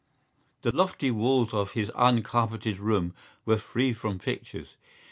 The lofty walls of his uncarpeted room were free from pictures.